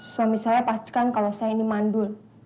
suami saya pastikan kalau saya ini mandul